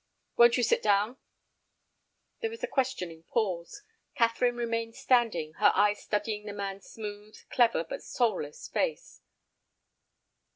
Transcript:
"Won't you sit down?" There was a questioning pause. Catherine remained standing, her eyes studying the man's smooth, clever, but soulless face.